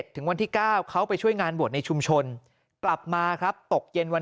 ถึงวันที่๙เขาไปช่วยงานบวชในชุมชนกลับมาครับตกเย็นวัน